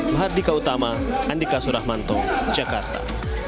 mahardika utama andika suramanto jakarta